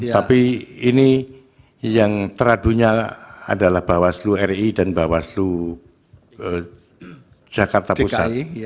tapi ini yang teradunya adalah bawaslu ri dan bawaslu jakarta pusat